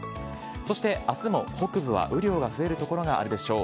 そして、あすも北部は雨量が増える所があるでしょう。